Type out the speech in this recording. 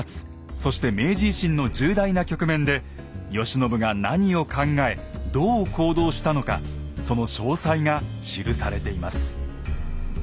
そして明治維新の重大な局面で慶喜が何を考えどう行動したのかその詳細が記されています。